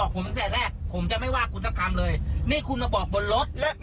หนูไม่ได้ให้พี่รอนานเลย